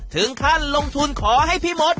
ถึงขั้นลงทุนขอให้พี่มด